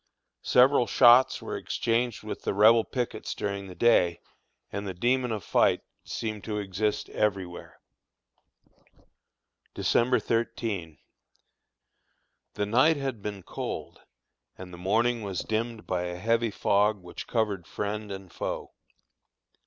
Several shots were exchanged with the Rebel pickets during the day, and the demon of fight seemed to exist everywhere. December 13. The night had been cold, and the morning was dimmed by a heavy fog which covered friend and foe.